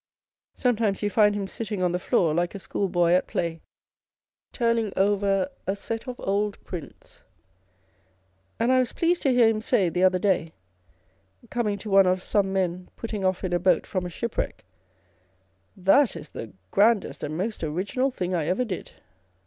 Sometimes you find him sitting on the floor, like a schoolboy at play, turning over a set of old prints ; and I was pleased to hear him say the other day, coming to one of some men putting off in a boat from a shipwreck â€" " That is the grandest and most original thing I ever did !"